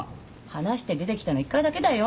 話して出てきたの１回だけだよ。